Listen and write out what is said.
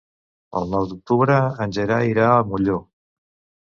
El nou d'octubre en Gerai irà a Molló.